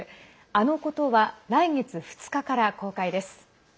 「あのこと」は来月２日から公開です。